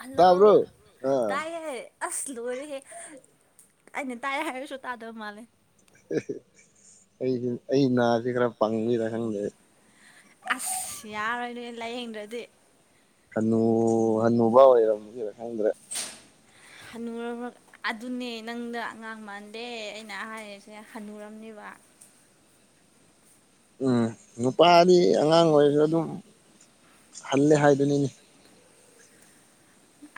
Hello ꯇꯥꯕ꯭ꯔꯣ ꯑꯥ ꯇꯥꯏꯌꯦ ꯑꯥꯁ ꯂꯣꯏꯔꯦꯍꯦ ꯑꯩꯅ ꯇꯥꯏ ꯍꯥꯏꯔꯁꯨ ꯇꯥꯗꯕꯥ ꯃꯥꯜꯂꯦ ꯍ° ꯍꯦ ꯑꯩꯒꯤ ꯑꯩ ꯅꯥꯁꯦ ꯈꯔ ꯄꯪꯉꯤꯔꯥ ꯈꯪꯗꯦ ꯑꯥꯁ ꯌꯥꯔꯣꯏꯅꯦ ꯂꯥꯏꯌꯦꯡꯗ꯭ꯔꯗꯤ ꯍꯟꯅꯨ ꯍꯟꯅꯨꯕꯥ ꯑꫭꯏꯕꯒꯤꯔꯥ ꯈꯪꯗ꯭ꯔꯦ ꯍꯅꯨꯔꯕꯥ ꯑꯗꯨꯅꯦ ꯅꯪꯅꯥ ꯑꯉꯥꯡ ꯃꯥꯟꯗꯦ ꯑꯩꯅ ꯍꯥꯏꯔꯤꯁꯦ ꯍꯟꯅꯨꯔꯝꯅꯦꯕꯥ ꯎꯝ ꯅꯨꯄꯥꯗꯤ ꯑꯉꯥꯡ ꯑꯣꯏꯔꯁꯨ ꯑꯗꯨꯝ ꯍꯜꯂꯦ ꯍꯥꯏꯗꯨꯅꯤꯅꯦ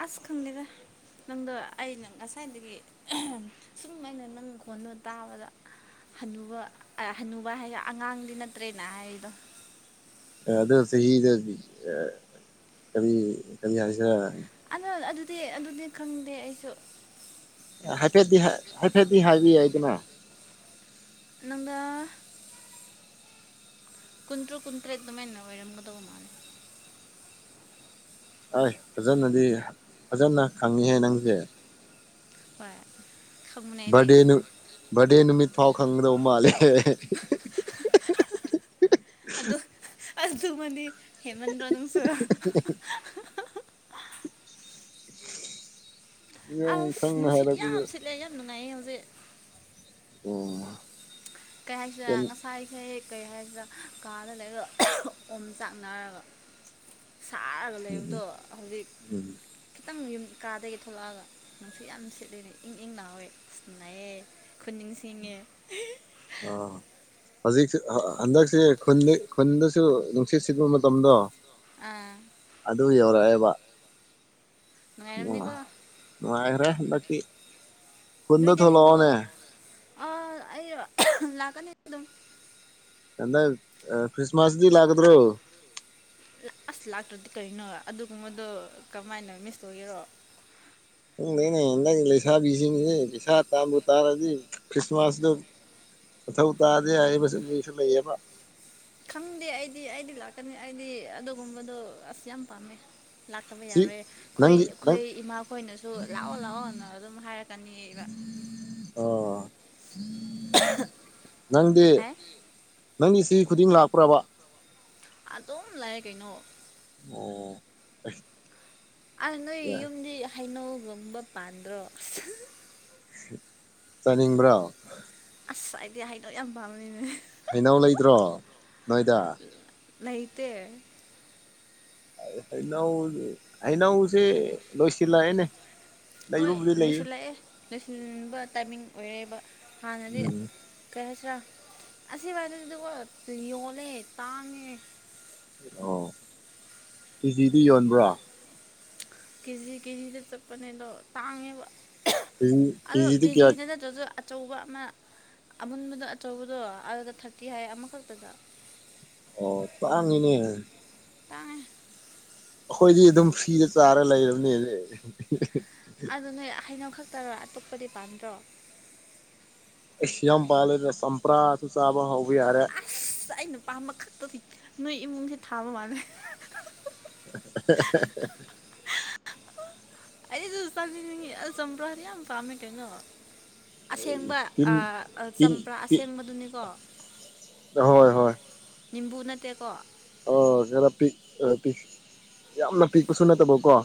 ꯑꯥꯁ ꯈꯪꯗꯦ ꯗꯥ ꯅꯪꯗꯣ ꯑꯩꯅꯥ ꯉꯁꯥꯏꯗꯒꯤ ꯁꯨꯝ ꯑꯩꯅ ꯅꯪ ꯈꯣꯟꯗꫭ ꯇꯥꯕꯗ ꯍꯅꯨꯕ ꯑꯥ ꯍꯅꯨꯕ ꯍꯥꯏꯒ ꯑꯉꯥꯡꯗꯤ ꯅꯠꯇ꯭ꯔꯦ ꯅꯥ ꯍꯥꯏꯔꯤꯗꯣ ꯑ ꯑꯗꯣ ꯆꯍꯤꯗꯥꯗꯤ ꯑ ꯀꯔꯤ ꯀꯔꯤ ꯍꯥꯏꯁꯤꯔꯥ ꯑꯗꫭ ꯑꯗꯨꯗꯤ ꯑꯗꯨꯗꯤ ꯈꯪꯗꯦ ꯑꯩꯁꯨ ꯍꯥꯏꯐꯦꯠꯇꯤ ꯍꯥꯏ ꯍꯥꯏꯐꯦꯠꯇꯤ ꯍꯥꯏꯕ ꯌꯥꯏꯗꯅꯥ ꯅꯪꯗꯥ ꯀꯨꯟꯇ꯭ꯔꯨꯛ ꯀꯨꯟꯇ꯭ꯔꯦꯠ ꯑꯗꯨꯃꯥꯏꯅ ꯑꯣꯏꯔꯝꯒꯗꯧꯕ ꯃꯥꯜꯂꯦ ꯍꯣꯏ ꯐꯖꯅꯗꯤ ꯐꯖꯅꯥ ꯈꯪꯉꯤꯍꯦ ꯅꯪꯗꯤ ꯍꫭꯏ ꯕꯥꯔꯗꯦ ꯅꯨꯠ ꯕꯥꯔꯗꯦ ꯅꯨꯃꯤꯠ ꯐꯥꯎ ꯈꯪꯒꯗꯕꯥ ꯃꯥꯜꯂꯦ꯫ ꯑꯗꯨ ꯑꯗꯨꯃꯅꯤ ꯍꯦꯃꯟꯗ꯭ꯔꯣ ꯅꯪꯁꯨ ꯌꯥꯝ ꯑꯁ ꯈꯪꯅ ꯅꯨꯡꯁꯤꯠ ꯌꯥꯝ ꯍꯥꯏꯔꯛꯄꯗ ꯁꯤꯠꯂꯦ ꯌꯥꯝ ꯅꯨꯡꯉꯥꯏꯌꯦ ꯍꯧꯖꯤꯛ꯫ ꯑꯣ ꯀꯔꯤ ꯍꯥꯏꯁꯤꯔ ꯉꯁꯥꯏꯈꯩ ꯀꯩ ꯍꯥꯏꯁꯤꯔ ꯀꯥꯗ ꯂꯩꯔꯒ ꯑꯣꯝ ꯆꯥꯛꯅꯔꯒ ꯁꯥꯔꯒ ꯂꯩꯕꯗꯣ ꯍꯧꯖꯤꯛ ꯎꯝ ꯈꯤꯇꯪ ꯌꯨꯝ ꯀꯥꯗꯒꯤ ꯊꯣꯛꯂꯛꯑꯒ ꯅꯨꯡꯁꯨꯠ ꯌꯥꯝ ꯁꯤꯠꯂꯤꯅꯦ ꯏꯪ ꯏꯪ ꯂꯥꯎꯋꯦ ꯅꯨꯡꯉꯥꯏꯌꯦ ꯈꯨꯟ ꯅꯤꯡꯁꯤꯡꯉꯦ [unintelligible] ꯍꯧꯖꯤꯛ ꯍꯟꯗꯛꯁꯦ ꯈꯨꯟ ꯈꯨꯟꯗꯁꯨ ꯅꯨꯡꯁꯤꯠ ꯁꯤꯠꯄ ꯃꯇꯝꯗꯣ ꯑꯥ ꯑꯗꯨ ꯌꯧꯔꯛꯑꯦꯕ ꯅꯨꯡꯉꯥꯏꯔꯝꯅꯤꯀꯣ [unintelligible] ꯅꯨꯉꯥꯏꯈ꯭ꯔꯦ ꯍꯟꯗꯛꯇꯤ ꯈꯨꯟꯗ ꯅꯣꯏꯗꯤ ꯍꯩꯅꯧ ꯊꯣꯛꯂꯛꯑꯣꯅꯦ ꯑꯥ ꯑꯩꯔꯣ ꯂꯥꯛꯀꯅꯤ ꯑꯗꯨꯝ ꯅꯪ ꯀ꯭ꯔꯤꯁꯃꯁꯇꯤ ꯂꯥꯛꯀꯗ꯭ꯔꯣ ꯑꯁ ꯂꯥꯛꯇ꯭ꯔꯗꯤ ꯀꯩꯅꯣ ꯑꯗꯨꯒꯨꯝꯕꯗꯣ ꯀꯃꯥꯏꯅ ꯃꯤꯁ ꯇꯧꯒꯦꯔꯣ [unintelligible] ꯂꯩꯁꯥꯕꯤꯁꯤꯡꯁꯦ ꯄꯩꯁꯥ ꯇꯥꯕꯨ ꯇꯥꯔꯗꯤ ꯀ꯭ꯔꯤꯁꯃꯁꯇꯨ ꯃꯊꯧ ꯇꯥꯗꯦ ꯍꯥꯏꯕꯁꯨ ꯃꯤꯁꯨ ꯂꯩꯌꯦꯕ ꯈꯪꯗꯦ ꯑꯩꯗꯤ ꯑꯩꯗꯤ ꯂꯥꯛꯀꯅꯤ ꯑꯩꯗꯤ ꯑꯗꯨꯒꯨꯝꯕꯗꯣ ꯑꯁ ꯌꯥꯝ ꯄꯥꯝꯃꯦ ꯂꯥꯛꯇꯕ ꯁꯤ ꯌꯥꯔꯣꯏꯍꯦ ꯑꯩꯈꯣꯏ ꯅꯪꯒꯤ ꯅꯪ ꯑꯩꯈꯣꯏ ꯏꯃꯥꯈꯣꯏꯅꯁꯨ ꯂꯥꯛꯑꯣ ꯂꯥꯛꯑꯣꯅ ꯑꯗꯨꯝ ꯍꯥꯏꯔꯛꯀꯅꯤꯕ ꯑꯣ ꯅꯪꯗꯤ ꯍꯦ ꯅꯪꯒꯤ ꯆꯍꯤ ꯈꯨꯗꯤꯡ ꯂꯥꯛꯄ꯭ꯔꯕ ꯑꯗꯨꯝ ꯂꯥꯛꯑꯦ ꯀꯩꯅꯣ ꯑꯣ [unintelligible] ꯑꯥ ꯅꯣꯏ ꯌꯥꯏ ꯌꯨꯝꯗꯤ ꯍꯩꯅꯧꯒꯨꯝꯕ ꯄꯥꯟꯗ꯭ꯔꯣ ꯆꯥꯅꯤꯡꯕ꯭ꯔꯣ ꯑꯁ ꯑꯩꯗꯤ ꯍꯩꯅꯧ ꯌꯥꯝ ꯄꯥꯝꯕꯅꯤꯅꯦ ꯍꯩꯅꯧ ꯂꯩꯗ꯭ꯔꯣ ꯅꯣꯏꯗ ꯂꯩꯇꯦ ꯍꯩꯅꯎ ꯍꯩꯅꯎꯁꯦ ꯂꯣꯏꯁꯤꯜꯂꯛꯑꯦꯅꯦ ꯍꯣꯏ ꯂꯩꯕꯕꯨꯗꯤ ꯂꯩꯌꯦ ꯂꯣꯏꯁꯤꯜꯂꯛꯑꯦ ꯂꯣꯏꯁꯤꯟꯕ ꯇꯥꯏꯃꯤꯡ ꯑꯣꯏꯔꯦꯕ ꯍꯥꯟꯅꯗꯤ ꯀꯩ ꯍꯥꯏꯁꯤꯔꯥ ꯑꯁꯤꯋꯥꯏꯗꯗꯤ ꯑꯗꯨꯒ ꯌꯣꯜꯂꯦ ꯇꯥꯡꯉꯦ ꯑꯣ ꯀꯦꯖꯤꯗꯤ ꯌꯣꯟꯕ꯭ꯔꯣ ꯀꯦꯖꯤ ꯀꯦꯖꯤꯗ ꯆꯠꯄꯅꯦ ꯑꯗꯣ ꯇꯥꯡꯉꯦꯕ ꯀꯦꯖꯤ ꯑꯗꯣ ꯀꯦꯖꯤꯗꯤ ꯀꯌꯥ ꯀꯦꯖꯤꯗ ꯅꯠꯇ꯭ꯔꯁꯨ ꯑꯆꯧꯕ ꯑꯃ ꯑꯃꯨꯟꯕꯗꯣ ꯑꯆꯧꯕꯗꯣ ꯑꯗꯨꯗ ꯊꯥꯔꯇꯤ ꯍꯥꯏ ꯑꯃꯈꯛꯇꯗ ꯑꯣ ꯇꯥꯡꯉꯤꯅꯦ ꯇꯥꯡꯉꯦ ꯑꯩꯈꯣꯏꯗꯤ ꯑꯗꯨꯝ ꯐꯔꯤꯗ ꯆꯥꯔ ꯂꯩꯔꯕꯅꯦ ꯍꯧꯖꯤꯛ ꯑꯗꯨ ꯅꯣꯏ ꯍꯩꯅꯣ ꯈꯛꯇꯔꯣ ꯑꯇꯣꯞꯄꯗꯤ ꯄꯥꯟꯗ꯭ꯔꯣ ꯑꯁ ꯌꯥꯝ ꯄꯥꯜꯂꯦꯗ ꯆꯝꯄ꯭ꯔꯥꯁꯨ ꯆꯥꯕ ꯍꯧꯕ ꯌꯥꯔꯦ ꯑꯁ ꯑꯩꯅ ꯄꯥꯝꯕ ꯈꯛꯇꯗꯤ ꯅꯣꯏ ꯏꯃꯨꯡꯁꯦ ꯊꯥꯕ ꯃꯥꯜꯂꯦ [unintelligible] ꯑꯩꯁꯨ ꯆꯥꯅꯤꯡꯉꯦ ꯑꯁ ꯆꯝꯕ꯭ꯔꯥꯗꯤ ꯌꯥꯝ ꯄꯥꯝꯃꯦ ꯀꯩꯅꯣ ꯑꯁꯦꯡꯕ ꯇꯤꯟ ꯑꯥ ꯇꯤꯟ ꯆꯝꯄ꯭ꯔꯥ ꯇꯤꯟ ꯑꯁꯦꯡꯕꯗꯨꯅꯤꯀꯣ ꯍꯣꯏ ꯍꯣꯏ ꯅꯤꯝꯕꯨ ꯅꯠꯇꯦꯀꯣ ꯑꯣ ꯈꯔ ꯄꯤꯛ ꯈꯔ ꯄꯤꯛ ꯌꯥꯝꯅ ꯄꯤꯛꯄꯁꯨ ꯅꯠꯇꯕꯀꯣ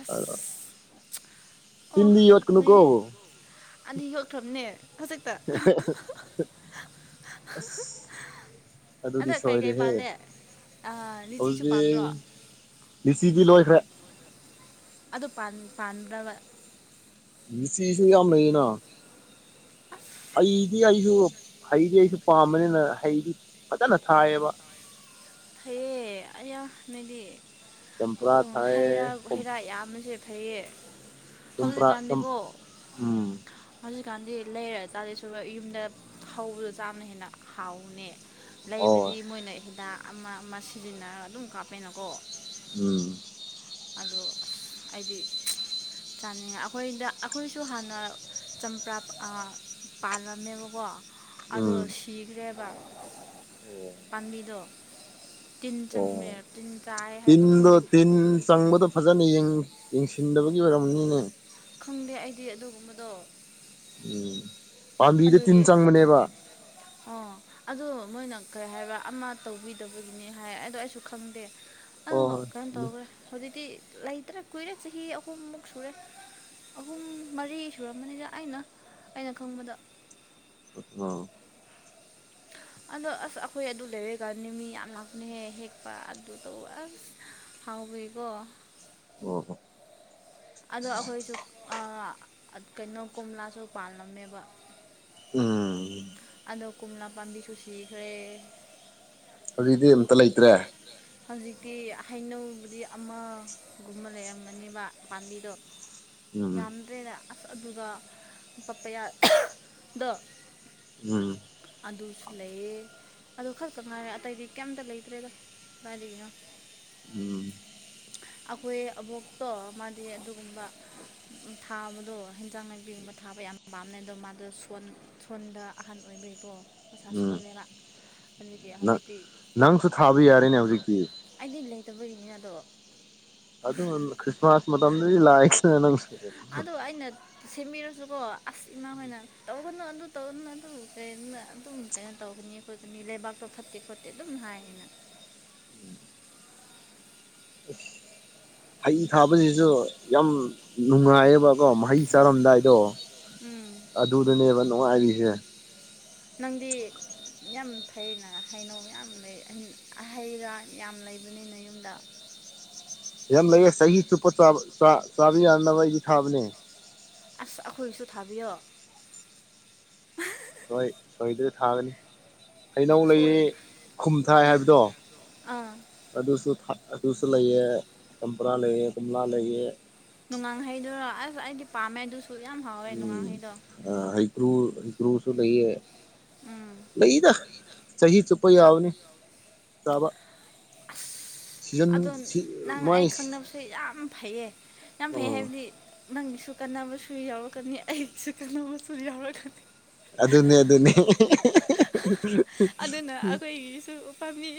ꯑꯁ ꯊꯤꯟꯗꯤ ꯌꯣꯠꯀꯅꯨ ꯀꯣ ꯑꯩꯗꯤ ꯌꯣꯛꯈ꯭ꯔꯕꯅꯦ ꯍꯧꯖꯤꯛ [unintelligible] ꯑꯁ ꯑꯗꯨꯗꯤ ꯑꯗ ꯀꯩꯀꯩ ꯁꯣꯏꯔꯦꯍꯦ ꯄꯥꯜꯂꯦ ꯑꯥ ꯂꯤꯆꯤꯁꯨ ꯑꯗꯨꯗꯤ ꯄꯥꯝꯕ꯭ꯔꯣ ꯂꯤꯆꯤꯗꯤ ꯂꯣꯏꯈ꯭ꯔꯦ ꯑꯗꯣ ꯄꯥꯟꯕꯨ ꯄꯥꯟꯕ꯭ꯔꯕ ꯂꯤꯆꯤꯁꯨ ꯌꯥꯝ ꯂꯩꯌꯦꯅ ꯍꯩꯗꯤ ꯑꯩꯁꯨ ꯍꯩꯗꯤ ꯑꯩꯁꯨ ꯄꯥꯝꯕꯅꯤꯅ ꯍꯩꯗꯤ ꯐꯖꯅ ꯊꯥꯏꯑꯕ ꯍꯩꯌꯦ ꯑꯩꯌꯥ ꯅꯣꯏꯗꯤ ꯑꯣ ꯆꯝꯄ꯭ꯔꯥ ꯑꯣ ꯍꯩꯥ ꯊꯥꯏꯌꯦ ꯍꯩꯔꯥ ꯌꯥꯝꯌꯥꯝꯕꯁꯦ ꯐꯩꯌꯦ ꯆꯝꯄ꯭ꯔꯥ ꯆꯝ ꯍꯧꯖꯤꯛꯀꯥꯟꯗꯤꯀꯣ ꯎꯝ ꯍꯧꯖꯤꯛꯀꯥꯟꯗꯤ ꯂꯩꯔ ꯆꯥꯗꯣꯏꯁꯔꯨꯛ ꯌꯨꯝꯗ ꯍꯧꯕꯗ ꯆꯥꯅ ꯍꯦꯟꯅ ꯍꯥꯎꯕꯅꯦ ꯍꯣꯏ ꯂꯩꯕꯗꯤ ꯃꯣꯏꯅ ꯍꯤꯗꯥꯛ ꯑꯃ ꯑꯃ ꯁꯤꯖꯤꯟꯅꯔꯒ ꯑꯗꯨꯝ ꯀꯥꯞꯄꯦꯅꯀꯣ ꯎꯝ ꯑꯗꯣ ꯑꯩꯗꯤ ꯆꯥꯅꯤꯡꯉꯦ ꯑꯩꯈꯣꯏꯗ ꯑꯩꯈꯣꯏꯁꯨ ꯍꯥꯟꯅ ꯆꯝꯄ꯭ꯔꯥ ꯄꯥꯜꯂꯝꯃꯦꯕꯀꯣ ꯑꯗꯣ ꯎꯝ ꯁꯤꯈ꯭ꯔꯦꯕ ꯄꯥꯝꯕꯤꯗꯣ ꯇꯤꯟ ꯆꯪꯃꯦ ꯑꯣ ꯇꯤꯟ ꯆꯥꯏ ꯍꯥꯏꯕ ꯇꯤꯟꯗꯣ ꯈꯪꯗꯦ ꯇꯤꯟ ꯆꯪꯕꯗꯣ ꯐꯖꯅ ꯌꯦꯡꯁꯤꯟꯗꯕꯒꯤ ꯑꯣꯏꯔꯝꯅꯤꯅꯦ ꯈꯪꯗꯦ ꯑꯩꯗꯤ ꯑꯗꯨꯒꯨꯝꯕꯗꯣ ꯎꯝ ꯄꯥꯝꯕꯤꯗ ꯇꯤꯟ ꯆꯪꯕꯅꯦꯕ ꯑ ꯑꯗꯣ ꯃꯣꯏꯅ ꯀꯔꯤ ꯍꯥꯏꯕ ꯑꯃ ꯇꯧꯕꯤꯗꯕꯒꯤꯅꯦ ꯍꯥꯏ ꯑꯗꯣ ꯑꯩꯁꯨ ꯈꯪꯗꯦ ꯑꯗꯣ ꯍꯣꯏ ꯀꯩꯅꯣ ꯍꯣꯏ ꯇꯧꯈ꯭ꯔꯦ ꯍꯧꯖꯤꯛꯇꯤ ꯂꯩꯇ꯭ꯔꯦ ꯀꯨꯏꯔꯦ ꯆꯍꯤ ꯑꯍꯨꯝꯃꯨꯛ ꯁꯨꯔꯦ ꯑꯍꯨꯝ ꯃꯔꯤ ꯁꯨꯔꯝꯃꯅꯤꯗ ꯑꯩꯅ ꯑꯩꯅ ꯈꯪꯕꯗ ꯑ ꯑꯗꯣ ꯑꯁ ꯑꯩꯈꯣꯏ ꯑꯗꯨ ꯂꯩꯔꯦꯀꯅꯤ ꯃꯤ ꯌꯥꯝ ꯂꯥꯛꯄ ꯍꯦ ꯍꯦꯛꯄ ꯑꯗꯨꯗꯣ ꯑꯁ ꯍꯥꯎꯕꯤꯀꯣ ꯑꯣ ꯍꯣ ꯑꯗꯣ ꯑꯩꯈꯣꯏꯁꯨ ꯀꯩꯅꯣ ꯀꯣꯝꯂꯥꯁꯨ ꯄꯥꯜꯂꯝꯃꯦꯕ ꯎꯝ ꯑꯗꯣ ꯀꯣꯂ ꯄꯥꯕꯤꯁꯨ ꯁꯤꯈ꯭ꯔꯦ ꯍꯧꯖꯤꯛꯇꯤ ꯑꯃꯇ ꯂꯩꯇ꯭ꯔꯦ ꯍꯧꯖꯤꯛꯇꯤ ꯍꯩꯅꯧꯕꯨꯗꯤ ꯑꯃꯒꯨꯝꯕ ꯂꯩꯔꯝꯒꯅꯤꯕ ꯄꯥꯝꯕꯤꯗꯣ ꯎꯝ ꯌꯥꯝꯗ꯭ꯔꯦꯗ ꯑꯁ ꯑꯗꯨꯒ ꯄꯄꯌꯥꯗꯣ ꯎꯝ ꯑꯗꯨꯁꯨ ꯂꯩꯌꯦ ꯑꯗꯨ ꯈꯛꯇꯪ ꯉꯥꯏꯔꯦ ꯑꯇꯩꯗꯤ ꯀꯩꯝꯇ ꯂꯩꯇ꯭ꯔꯦꯗ ꯃꯥꯔꯤꯅ [unintelligible] ꯎꯝ ꯑꯩꯈꯣꯏ ꯑꯕꯣꯛꯇꯣ ꯃꯥꯗꯤ ꯑꯗꯨꯒꯨꯝꯕ ꯊꯥꯕꯗꯣ ꯍꯦꯟꯖꯥꯡ ꯅꯥꯄꯤꯒꯨꯝꯕ ꯊꯥꯕ ꯌꯥꯝ ꯄꯥꯝꯅꯩ ꯑꯗꯣ ꯃꯥꯗꯣ ꯁꯣꯟ ꯁꯣꯟꯗ ꯑꯍꯜ ꯑꯣꯏꯕꯩꯀꯣ ꯎꯝ ꯅꯪ ꯍꯧꯖꯤꯛꯇꯤ ꯅꯪꯁꯨ ꯊꯥꯕ ꯌꯥꯔꯦꯅꯦ ꯍꯧꯖꯤꯛꯇꯤ ꯑꯩꯗꯤ ꯂꯩꯇꯕꯒꯤꯅꯤꯅ ꯑꯗꯣ ꯑꯗꯨ ꯈ꯭ꯔꯤꯁꯃꯥꯁ ꯃꯇꯝꯗꯗꯤ ꯂꯥꯛꯑꯦ ꯑꯗꯣ ꯑꯩꯅ ꯁꯦꯝꯕꯤꯔꯁꯨꯀꯣ ꯑꯁ ꯏꯃꯥ ꯍꯣꯏꯅ ꯇꯧꯒꯅꯨ ꯑꯗꯨ ꯇꯧꯅꯨ ꯑꯗꯨ ꯀ ꯑꯗꯨꯝ ꯀꯩꯅꯣ ꯇꯧꯒꯅꯤ ꯁꯣꯏ ꯑꯗꯨꯅꯤ ꯂꯩꯕꯥꯛꯇꯣ ꯐꯠꯇꯦ ꯈꯣꯠꯇꯦ ꯑꯗꯨꯝ ꯍꯥꯏꯌꯦꯅ ꯍꯩ ꯊꯥꯕꯁꯤꯁꯨ ꯌꯥꯝ ꯅꯨꯡꯉꯥꯏꯌꯦꯕꯀꯣ ꯃꯍꯩ ꯆꯥꯔꯝꯗꯥꯏꯗꯣ ꯎꯝ ꯑꯗꯨꯗꯅꯦꯕ ꯅꯨꯡꯉꯥꯏꯔꯤꯁꯦ ꯅꯪꯗꯤ ꯌꯥꯝ ꯐꯩꯩꯅ ꯍꯩꯅꯧ ꯌꯥꯝꯌꯥꯝ ꯂꯩ ꯍꯩꯔ ꯌꯥꯝ ꯂꯩꯕꯅꯤꯅ ꯌꯨꯝꯗ ꯌꯥꯝ ꯂꯩꯌꯦ ꯆꯍꯤ ꯆꯨꯞꯄ ꯆꯥꯕ ꯌꯥꯅꯕ ꯑꯩꯗꯤ ꯊꯥꯕꯅꯦ ꯑꯁ ꯑꯩꯈꯣꯏꯁꯨ ꯊꯥꯕꯤꯌꯣ ꯍꯣꯏ ꯁꯣꯏꯗꯩ ꯊꯥꯒꯅꯤ ꯍꯩꯅꯧ ꯁꯣꯏ ꯂꯩꯌꯦ ꯈꯨꯝ ꯊꯥꯏ ꯍꯥꯏꯕꯗꯣ ꯑꯥ ꯑꯗꯨꯁꯨ ꯊꯥ ꯑꯗꯨꯁꯨ ꯂꯩꯑꯦ ꯆꯝꯄ꯭ꯔꯥ ꯂꯩꯑꯦ ꯀꯣꯝꯂꯥ ꯂꯩꯑꯦ ꯅꯨꯡꯉꯥꯡꯍꯩꯗꯨꯔꯣ ꯑꯁ ꯑꯩꯗꯤ ꯄꯥꯝꯃꯦ ꯑꯗꯨꯁꯨ ꯌꯥꯝ ꯍꯥꯎꯋꯦ ꯅꯨꯡꯉꯥꯡꯍꯩꯗꯣ ꯑ ꯍꯩꯀ꯭ꯔꯨ ꯍꯩꯀ꯭ꯔꯨꯁꯨ ꯂꯩꯌꯦ ꯎꯝ ꯂꯩꯗ ꯆꯍꯤ ꯆꯨꯞ ꯄ ꯌꯥꯎꯕꯅꯤ ꯆꯥꯕ ꯑꯁ ꯁꯤꯖꯟ ꯑꯗꯣ ꯅꯪ ꯑꯩ ꯃꯣꯏ ꯈꯪꯅꯕꯁꯦ ꯌꯥꯝ ꯐꯩꯌꯦ ꯌꯥꯝ ꯐꯩ ꯑꯣ ꯍꯥꯏꯕꯗꯤ ꯅꯪꯒꯤꯁꯨ ꯀꯥꯟꯅꯕꯁꯨ ꯌꯥꯎꯔꯛꯀꯅꯤ ꯑꯩꯒꯤꯁꯨ ꯀꯥꯟꯅꯕꯁꯨ ꯌꯥꯎꯔꯛꯀꯅꯤ ꯑꯗꯨꯅꯦ ꯑꯗꯨꯅꯦ [unintelligible] ꯑꯗꯨꯅ ꯑꯩꯈꯣꯏꯒꯤꯁꯨ ꯄꯥꯝꯕꯤ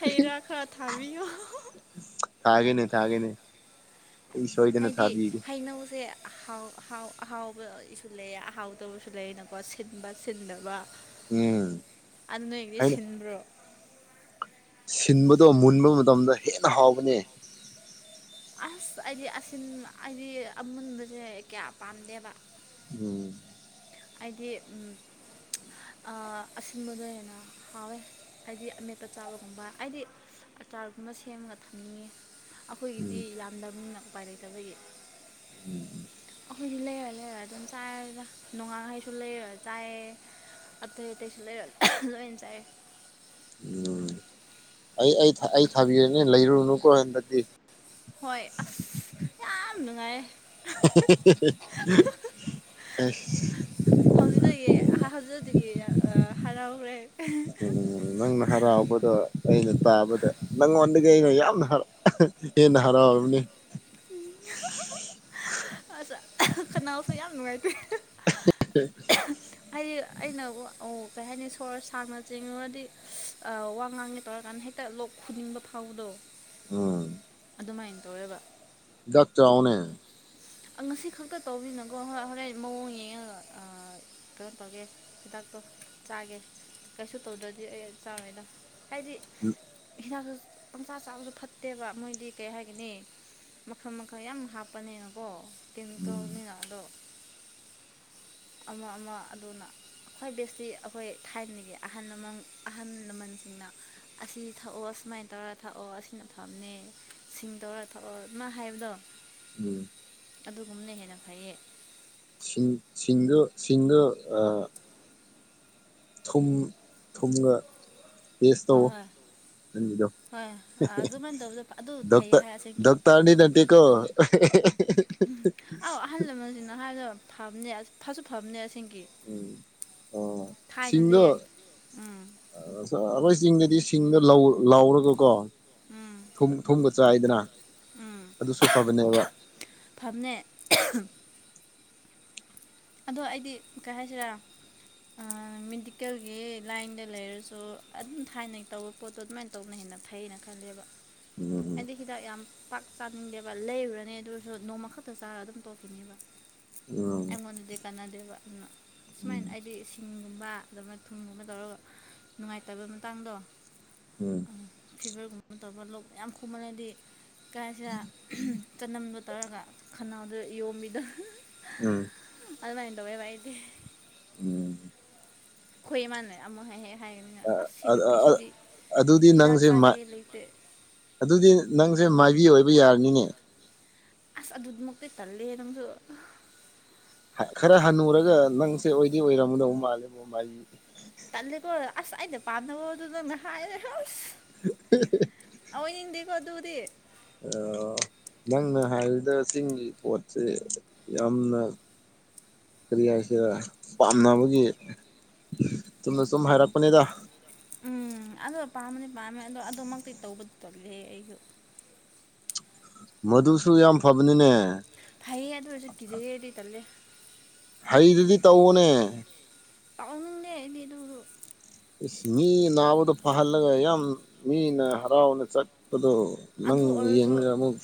ꯍꯩ ꯔꯥ ꯈꯔ ꯊꯥꯕꯤꯌꯨ ꯊꯥꯒꯦꯅꯦ ꯊꯥꯒꯦꯅꯦ ꯑꯩ ꯁꯣꯏꯗꯅ ꯍꯥꯏꯗꯤ ꯊꯥꯕꯤꯒꯦ ꯍꯩꯅꯧꯁꯦ ꯑꯍꯥꯎ ꯑꯍꯥꯎ ꯑꯍꯥꯎꯕꯁꯨ ꯂꯩꯌꯦ ꯑꯍꯥꯎꯗꯕꯁꯨ ꯂꯩꯅꯀꯣ ꯁꯤꯟꯕ ꯁꯤꯟꯗꯕ ꯎꯝ ꯑꯗꯨ ꯅꯣꯏꯗꯤ ꯍꯥꯏꯅ ꯁꯤꯟꯕ꯭ꯔꯣ ꯁꯤꯟꯕꯗꯣ ꯃꯨꯟꯕ ꯃꯇꯝꯗ ꯍꯦꯟꯅ ꯍꯥꯎꯕꯅꯦ ꯑꯁ ꯑꯩꯗꯤ ꯑꯁꯤꯟ ꯑꯩꯗꯤ ꯑꯃꯨꯟꯕꯁꯦ ꯀꯌꯥ ꯄꯥꯝꯗꯦꯕ ꯎꯝ ꯑꯩꯗꯤ ꯎꯝ ꯑꯁꯤꯟꯕꯗ ꯍꯦꯟꯅ ꯍꯥꯎꯋꯦ ꯍꯥꯏꯗꯤ ꯑꯃꯦꯠꯄ ꯆꯥꯕꯒꯨꯝꯕ ꯍꯥꯏꯗꯤ ꯑꯆꯥꯔꯒꯨꯝꯕ ꯁꯦꯝꯃꯒ ꯊꯝꯅꯤꯉꯦ ꯎꯝ ꯑꯩꯈꯣꯏꯒꯤꯗꯤ ꯌꯥꯝꯗ ꯃꯤꯅ ꯎꯄꯥꯏ ꯂꯩꯇꯕꯒꯤ ꯎꯝ ꯎꯝ ꯑꯩꯈꯣꯏꯗꯤ ꯂꯩꯔ ꯂꯩꯔ ꯑꯗꯨꯝ ꯆꯥꯔꯦꯗ ꯅꯣꯡꯉꯥꯡꯈꯩꯁꯨ ꯂꯩꯔ ꯆꯥꯏꯌꯦ ꯑꯇꯩ ꯑꯇꯩꯁꯨ ꯂꯩꯔ ꯂꯣꯏꯅ ꯆꯥꯏꯑꯦ ꯎꯝ ꯑꯩ ꯑꯩ ꯑꯩ ꯊꯥꯕꯤꯔꯅꯦ ꯂꯩꯔꯨꯅꯨꯀꯣ ꯍꯟꯗꯛꯇꯤ ꯍꯣꯏ ꯑꯁ ꯌꯥꯝ ꯅꯨꯡꯉꯥꯏꯌꯦ [unintelligible] ꯑꯁ ꯍꯧꯖꯤꯛꯇꯒꯤ ꯍꯧꯖꯤꯛꯇꯒꯤ ꯍꯔꯥꯎꯈ꯭ꯔꯦ ꯎꯝ ꯅꯪꯅ ꯍꯔꯥꯎꯕꯗꯣ ꯑꯩꯅ ꯇꯥꯕꯗ ꯅꯪꯉꯣꯟꯗꯒꯤ ꯑꯩꯅ ꯌꯥꯝꯅꯥ [unintelligible] ꯍꯦꯟꯅ ꯍꯔꯥꯎꯕꯅꯤ [inaudible] ꯑꯆꯥ ꯈꯅꯥꯎꯁꯨ ꯌꯥꯝ ꯅꯨꯡꯉꯥꯏꯇꯦ [unintelligible] ꯑꯩ ꯑꯩꯅ ꯀꯩ ꯍꯥꯏꯅꯤ ꯁꯣꯔ ꯁꯥꯡꯅ ꯆꯤꯡꯉꯨꯔꯗꯤ ꯋꯥ ꯉꯥꯡꯉꯦ ꯇꯧꯔꯀꯥꯟꯗ ꯍꯦꯛ ꯇ ꯂꯣꯛ ꯈꯨꯅꯤꯡꯕ ꯐꯥꯎꯕꯗꯣ ꯎꯝ ꯑꯗꯨꯃꯥꯏꯅ ꯇꯧꯌꯦꯕ ꯍꯤꯗꯛ ꯆꯧꯅꯦ ꯑ ꯉꯁꯤ ꯈꯛꯇ ꯇꯧꯕꯤꯅꯀꯣ ꯍꯣꯔ ꯍꯣꯔꯦꯟ ꯃꯑꯣꯡ ꯌꯦꯡꯉꯒ ꯀꯩꯅꯣ ꯇꯧꯒꯦ ꯍꯤꯗꯥꯛꯇꯣ ꯆꯥꯒꯦ ꯀꯩꯁꯨ ꯇꯧꯗ꯭ꯔꯗꯤ ꯑꯩ ꯆꯥꯔꫭꯏꯗ ꯍꯥꯏꯗꯤ ꯎꯝ ꯍꯤꯗꯥꯛꯇꯣ ꯄꯪꯁꯥ ꯆꯥꯕꯁꯨ ꯐꯠꯇꯦꯕ ꯃꯣꯏꯗꯤ ꯀꯩ ꯍꯥꯏꯒꯅꯤ ꯃꯈꯜ ꯃꯈꯜ ꯌꯥꯝ ꯍꯥꯞꯄꯅꯦꯅꯀꯣ ꯎꯝ ꯀꯤꯜꯇꯣꯜꯅꯤꯅ ꯑꯗꯣ ꯑꯃ ꯑꯃ ꯑꯗꯨꯅ ꯈ꯭ꯋꯥꯏ ꯕꯦꯁꯁꯤ ꯑꯩꯈꯣꯏ ꯊꯥꯏꯅꯒꯤ ꯑꯍꯜ ꯂꯃꯟ ꯑꯍꯜ ꯂꯃꯟꯁꯤꯡꯅ ꯑꯁꯤ ꯊꯛꯑꯣ ꯁꯨꯃꯥꯏꯅ ꯇꯧꯔꯒ ꯊꯛꯑꯣ ꯑꯁꯤꯅ ꯐꯝꯅꯦ ꯁꯤꯡꯇꯧꯔ ꯊꯛꯑꫭ ꯑꯥꯗꯨꯃꯥꯏ ꯍꯥꯏꯕꯗꯣ ꯎꯝ ꯑꯗꯨꯒꯨꯝꯅ ꯍꯦꯟꯅ ꯐꯩꯌꯦ ꯁꯤꯡ ꯁꯤꯡꯗ ꯁꯤꯡꯗ ꯑꯥ ꯊꯨꯝ ꯊꯨꯝꯒ ꯇꯦꯁ ꯇꯧ ꯍꯣꯏ ꯍꯣꯏ ꯅꯪꯒꯤꯗꯣ ꯍꯣꯏ ꯑꯗꯨꯃꯥꯏꯅ ꯇꯧꯕꯗꯣ ꯑꯗꯨ [unintelligible] ꯗꯣꯛꯇ ꯐꯩꯌꯦ ꯍꯥꯏ ꯑꯁꯦꯡꯀꯤ ꯗꯣꯛꯇꯔꯗꯤ ꯅꯠꯇꯤꯀꯣ [unintelligible] ꯑꯧ ꯑꯍꯜ ꯂꯃꯟꯁꯤꯡꯅ ꯍꯥꯏꯗ ꯐꯕꯅꯦ ꯐꯁꯨ ꯐꯕꯅꯦ ꯑꯁꯤꯡꯒꯤ ꯎꯝ ꯑꯣ ꯁꯤꯡꯗꫭ ꯎꯝ ꯑꯩꯈꯣꯏ ꯆꯤꯡꯗꯗꯤ ꯁꯤꯡꯗꯣ ꯂꯥꯎꯔꯒꯀꯣ [unintelligible] ꯊꯨꯝꯒ ꯆꯥꯏꯗꯅ ꯑꯗꯨꯁꯨ ꯐꯕꯅꯦꯕ ꯐꯝꯅꯦ ꯑꯗꯣ ꯑꯩꯗꯤ ꯀꯩ ꯍꯥꯏꯁꯤꯔꯥ ꯃꯦꯗꯤꯀꯦꯜꯒꯤ ꯂꯥꯏꯟꯗ ꯂꯩꯔꯁꯨ ꯑꯗꯨꯝ ꯊꯥꯏꯅꯒꯤ ꯇꯧ ꯄꯣꯠꯇꯣ ꯑꯗꯨꯃꯥꯏꯅ ꯇꯧꯅ ꯍꯦꯟꯅ ꯐꯩꯅ ꯈꯜꯂꯦꯕ ꯎꯝ ꯍꯥꯏꯗꯤ ꯍꯤꯗꯥꯛ ꯌꯥꯝ ꯄꯥꯛ ꯆꯥꯅꯤꯡꯗꯦꯕ ꯂꯩꯔꯨꯔꯅꯦ ꯑꯗꯨꯁꯨ ꯅꯣꯡꯃ ꯈꯛꯇꯪ ꯆꯥꯔꯒ ꯑꯗꯨꯝ ꯇꯣꯛꯈꯤꯅꯦꯕ [unintelligible] ꯗꯤ ꯀꯥꯟꯅꯗꯦꯕ ꯑꯗꯨꯅ ꯎꯝ ꯁꯨꯃꯥꯏꯅ ꯍꯥꯏꯗꯤ ꯁꯤꯡꯒꯨꯝꯕ ꯑꯗꯨꯃꯥꯏ ꯊꯨꯝꯒꯨꯝꯕ ꯇꯧꯔꯒ ꯅꯨꯡꯉꯥꯏꯇꯕ ꯃꯇꯥꯡꯗꯣ ꯐꯤꯚꯔꯒꯨꯝꯕ ꯇꯧꯕ ꯂꯣꯛ ꯌꯥꯝ ꯈꯨꯃꯟꯅꯗꯤ ꯀꯩ ꯍꯥꯏꯁꯤꯔ ꯆꯅꯝꯗꯣ ꯇꯧꯔꯒ ꯈꯅꯥꯎꯗ ꯌꯣꯝꯕꯤꯗꯣ ꯎꯝ ꯑꯗꯨꯃꯥꯏ ꯇꯧꯔꯦꯕ ꯍꯥꯏꯗꯤ [unintelligible] ꯑꯩꯈꯣꯏ ꯏꯃꯥꯅꯩ ꯑꯃꯨꯛ ꯍꯦꯛ ꯍꯦꯛ ꯍꯥꯏꯕꯅꯤꯅ [unintelligible] ꯑꯗꯨꯗꯤ ꯅꯪꯁꯦ ꯆꯥꯒꯦ [unintelligible] ꯂꯩꯇꯦ ꯑꯗꯨꯗꯤ ꯅꯪꯁꯦ ꯃꯥꯏꯕꯤ ꯑꯣꯏꯕ ꯌꯥꯔꯅꯤꯅꯦ ꯑꯁ ꯑꯗꯨꯃꯨꯛꯇꯤ ꯇꯜꯂꯦ ꯅꯪꯁꯨ ꯈꯔ ꯍꯟꯅꯨꯔꯒ ꯅꯪꯁꯦ ꯑꯣꯏꯗꯤ ꯑꯣꯏꯔꯝꯗꯧꯕ ꯃꯥꯜꯂꯦ [unintelligible] ꯇꯜꯂꯦꯀꯣ ꯑꯁ ꯑꯩꯩꯅ ꯄꯥꯝꯅꯕꯣꯗꯨ ꯅꯪꯅ ꯍꯥꯏꯔꯦ ꯑꯁ [unintelligible] ꯑꯣꯏꯅꯤꯡꯗꯦꯀꯣ ꯑꯗꯨꯗꯤ ꯅꯪꯅ ꯍꯥꯏꯔꯤꯗ ꯆꯤꯡꯒꯤ ꯄꯣꯠꯁꯦ ꯌꯥꯝꯅ [unintelligible] ꯄꯥꯝꯅꯕꯒꯤ ꯆꯨꯝꯅ ꯁꯨꯝ ꯍꯥꯏꯔꯛꯄꯅꯤꯗ ꯎꯝ ꯑꯗꯨ ꯄꯥꯝꯕꯅꯤ ꯄꯥꯝꯕꯅꯤ ꯑꯗꯣ ꯑꯗꯨꯃꯛꯇꯤ ꯇꯧꯕꯗ ꯇꯜꯂꯤ ꯑꯩꯁꯨ ꯃꯗꯨꯁꯨ ꯌꯥꯝ ꯐꯕꯅꯤꯅꯦ ꯐꯩꯌꯦ ꯑꯗꯨ ꯑꯣꯏꯔꯁꯨ ꯀꯤꯖꯌꯦ ꯑꯩꯗꯤ ꯇꯜꯂꯦ ꯍꯩꯗꯨꯗꯤ ꯇꯧꯑꯣꯅꯦ [unintelligible] ꯏꯁꯁ ꯃꯤ ꯅꯥꯕꯗꯣ ꯐꯍꯜꯂꯒ ꯌꯥꯝ ꯃꯤꯅ ꯍꯔꯥꯎꯅ ꯆꯠꯄꯗꯣ ꯅꯪ ꯑꯗꯨ ꯑꯣꯏꯔꯁꯨ ꯌꯦꯡꯒꯔꯦ ꯑꯃꯨꯛ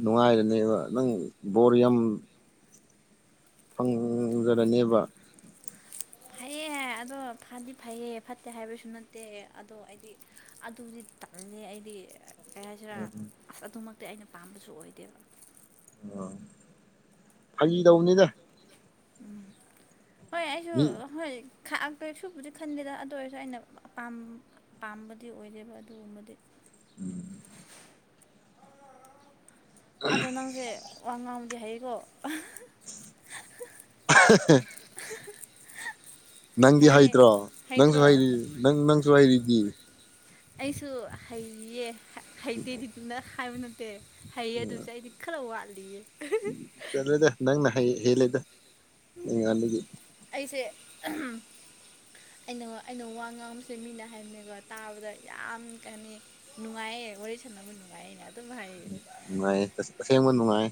ꯅꯨꯡꯉꯥꯏꯔꯅꯦꯕ ꯅꯪ ꯕꯣꯔ ꯌꯥꯝ ꯐꯪꯂꯔꯅꯦꯕ ꯑꯦ ꯑꯗꯣ ꯐꯗꯤ ꯐꯩꯌꯦ ꯐꯠꯇꯦ ꯍꯥꯏꯕꯁꯨ ꯅꯠꯇꯦ ꯑꯗꯣ ꯑꯩꯗꯤ ꯑꯗꯨꯗꯤ ꯇꯜꯂꯦ ꯑꯩꯗꯤ ꯀꯩ ꯍꯥꯏꯁꯤꯔꯥ ꯑꯁ ꯑꯗꯨꯃꯛꯇꯤ ꯑꯩꯅ ꯄꯥꯝꯕꯁꯨ ꯑꯣꯏꯗꯦꯕ ꯑꯣ ꯐꯒꯤ ꯇꯧꯕꯅꯤꯗ ꯎꯝ ꯍꯣꯏ ꯑꯩꯁꯨ ꯃꯤ ꯍꯣꯏ [unintelligible] ꯀꯩꯁꯨꯕꯨꯗꯤ ꯈꯟꯗꯦꯗ ꯑꯗꯨ ꯑꯣꯏꯔꯁꯨ ꯑꯩꯅ ꯄꯥꯝꯕꯗꯤ ꯑꯣꯏꯗꯦꯕ ꯑꯗꯨꯒꯨꯝꯕꯗꯤ [unintelligible] ꯑꯗꯣ ꯅꯪꯁꯦ ꯋꯥ ꯉꯥꯡꯕꯗꯤ ꯍꯌꯦꯀꯣ [unintelligible] ꯅꯪꯗꯤ ꯍꯩꯌꯦ ꯍꯩꯇ꯭ꯔꯣ ꯅꯪꯁꯨ ꯍꯩꯇ꯭ꯔꯣ ꯍꯩ ꯅꯪ ꯅꯪꯁꯨ ꯍꯩꯔꯤꯗꯤ ꯑꯩꯁꯨ ꯍꯩꯌꯦ ꯍꯩꯇꯦꯗꯤ ꯇꯨꯗ ꯍꯥꯏꯕ ꯅꯠꯇꯦ ꯍꯩꯌꯦ ꯑꯗꯨꯁꯨ ꯑꯩꯗꯤ [unintelligible] ꯆꯠꯂꯣꯗ ꯅꯪꯅ ꯍꯩ ꯍꯦꯜꯂꯦꯗ [unintelligible] ꯑꯩꯁꯦ [unintelligible] ꯑꯩꯅ ꯑꯩꯅ ꯋꯥ ꯉꯥꯡꯕꯁꯦ ꯃꯤꯅ ꯍꯥꯏꯕꯅꯦꯕ ꯇꯥꯕꯗ ꯌꯥꯝ ꯀꯥꯟꯅꯤ ꯅꯨꯡꯉꯥꯏꯌꯦ ꯋꯥꯔꯤ ꯁꯥꯟꯅꯕ ꯅꯨꯡꯉꯥꯏꯌꯦꯅ ꯑꯗꯨꯝ ꯍꯥꯏ ꯑꯁꯦꯡꯕ ꯅꯨꯡꯉꯥꯏ